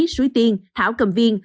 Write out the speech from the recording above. suối tiên thảo cầm viên